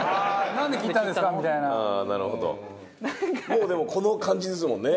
もうでもこの感じですもんね。